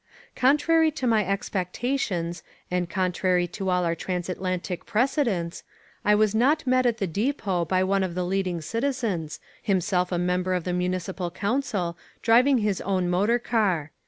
Contrary to my expectations and contrary to all our Transatlantic precedents, I was not met at the depot by one of the leading citizens, himself a member of the Municipal Council, driving his own motor car.